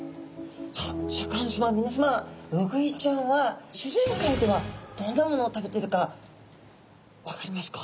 みなさまウグイちゃんは自然界ではどんなものを食べているか分かりますか？